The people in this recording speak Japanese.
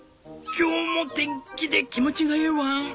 今日も天気で気持ちがいいワン！